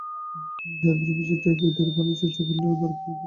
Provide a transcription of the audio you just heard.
র্যাবের উপস্থিতি টের পেয়ে দৌড়ে পালানোর চেষ্টা করলেও ধরা পড়েন তাঁরা।